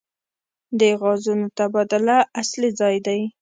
د غازونو تبادله اصلي ځای دی.